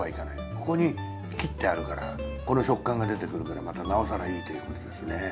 ここに切ってあるからこの食感が出てくるからまたなおさらいいということですね。